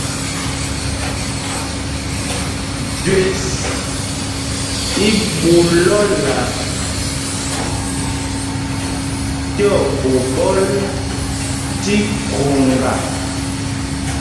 Jüés í ɓu lɔ́la tí oɓiɓɔl tí khoŋga.